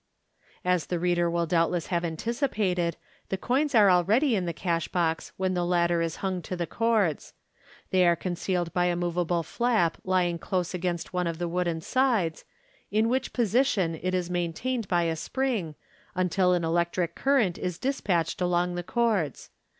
As the reader will doubtless have anticipated, the coins are already in the cash box when the latter is hung to the cords. They are con cealed by a moveable flap lying close against one of the wooden sides, in which position it is maintained by a spring, until an electric current is despatched along the cords.